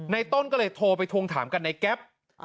ต้นก็เลยโทรไปทวงถามกันในแก๊ป